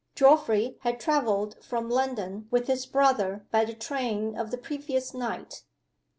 Geoffrey had traveled from London with his brother by the train of the previous night.